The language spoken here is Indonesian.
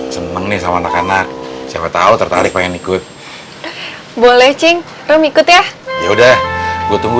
seneng nih sama anak anak siapa tahu tertarik pengen ikut boleh cing rum ikut ya udah gua tunggu